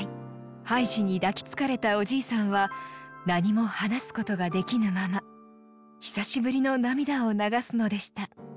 ハイジに抱きつかれたおじいさんは何も話すことができぬまま久しぶりの涙を流すのでした。